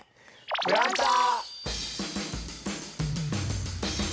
「プランター」。